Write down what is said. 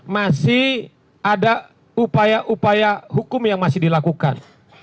masih ada upaya upaya hukum yang masih dilakukan